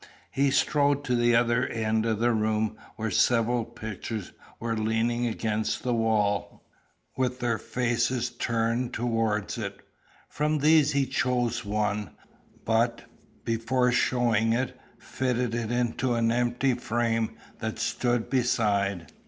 He strode to the other end of the room, where several pictures were leaning against the wall, with their faces turned towards it. From these he chose one, but, before showing it, fitted it into an empty frame that stood beside.